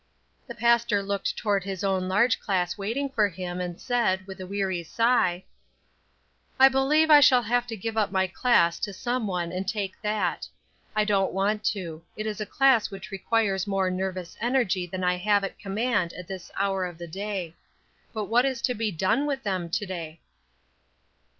The pastor looked toward his own large class waiting for him, and said, with a weary sigh: "I believe I shall have to give up my class to some one and take that. I don't want to; it is a class which requires more nervous energy than I have at command at this hour of the day. But what is to be done with them to day?"